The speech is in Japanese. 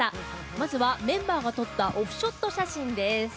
まずは、メンバーが撮ったオフショット写真です。